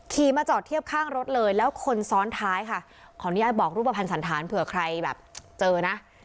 มาจอดเทียบข้างรถเลยแล้วคนซ้อนท้ายค่ะขออนุญาตบอกรูปภัณฑ์สันธารเผื่อใครแบบเจอนะ